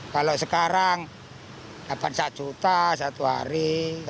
kalau sekarang dapat satu juta satu hari